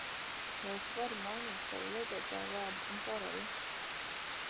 Vai es varu mainīt savu lietotājvārdu un paroli?